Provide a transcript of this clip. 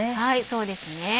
そうですね。